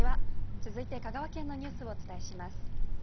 続いて香川県のニュースをお伝えします。